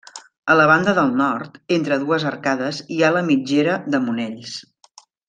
A la banda del nord, entre dues arcades, hi ha la mitgera de Monells.